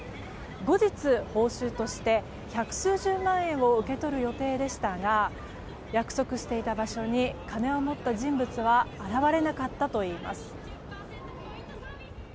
後日、報酬として百数十万円を受け取る予定でしたが約束していた場所に金を持った人物は現れなかったといいます。